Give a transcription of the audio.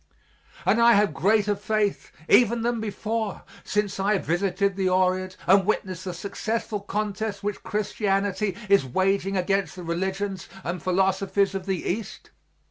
And I have greater faith, even than before, since I have visited the Orient and witnessed the successful contest which Christianity is waging against the religions and philosophies of the East.